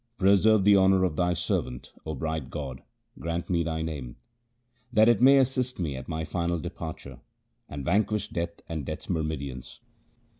' Preserve the honour of Thy servant, O bright God, grant me Thy name, ' That it may assist me at my final departure, and van quish death and death's myrmidons.'